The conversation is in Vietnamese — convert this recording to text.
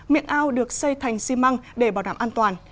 miệng ao được xây thành xi măng để bảo đảm an toàn